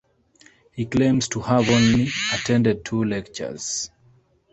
He claims to have only attended two lectures.